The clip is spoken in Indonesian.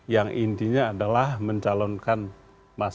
yang intinya adalah mencalonkan mas ganjar